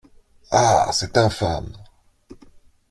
Ah ! c'est infâme.